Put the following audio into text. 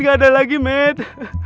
gak ada lagi med